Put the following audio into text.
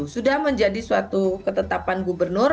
sudah menjadi suatu ketetapan gubernur